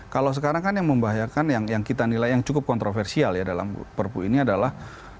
kalau sekarang kan yang membahayakan yang kita nilai yang cukup kontroversial ya dalam perpu ini adalah